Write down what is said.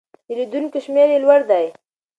د لیدونکو شمېر یې لوړ دی.